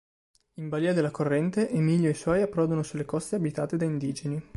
In balìa della corrente, Emilio e i suoi approdano sulle coste abitate da indigeni.